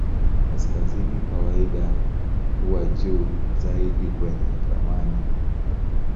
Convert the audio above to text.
Kaskazini kawaida huwa juu zaidi kwenye ramani.